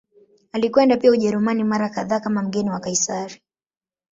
Alikwenda pia Ujerumani mara kadhaa kama mgeni wa Kaisari.